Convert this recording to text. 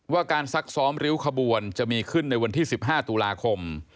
ว่าการซักซ้อมริ้วขบวนจะมีขึ้นในวันที่๑๕ตุลาคม